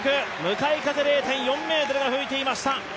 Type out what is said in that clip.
向かい風０．４メートルが吹いていました。